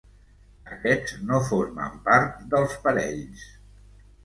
Aquests no formen part dels parells.